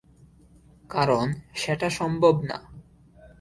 কারণ সেটা সম্ভব না।